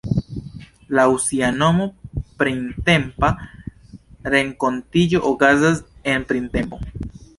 Laŭ sia nomo, Printempa Renkontiĝo okazas en... printempo.